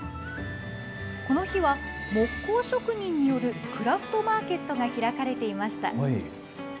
この日は、木工職人によるクラフトマーケットが開かれていました。